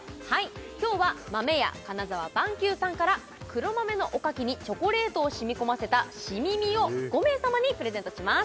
今日はまめや金澤萬久さんから黒豆のおかきにチョコレートを染み込ませたしみみを５名様にプレゼントします